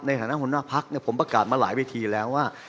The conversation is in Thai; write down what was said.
ในฐานะหัวหน้าพรรคเนี่ยผมประกาศมาหลายวิธีแล้วว่า